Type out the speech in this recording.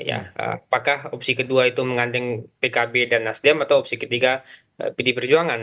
apakah opsi kedua itu mengandeng pkb dan nasdem atau opsi ketiga pd perjuangan